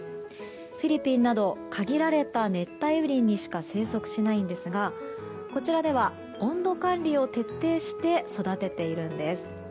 フィリピンなど限られた熱帯雨林にしか生息しないんですがこちらでは温度管理を徹底して育てているんです。